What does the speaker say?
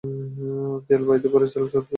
দেয়াল বাইতে পারে, জাল ছুড়তে পারে।